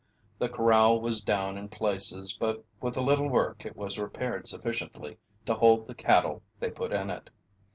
The corral was down in places, but with a little work it was repaired sufficiently to hold the cattle they put in it.